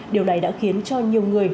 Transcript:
điều này đã khiến cho nhiều người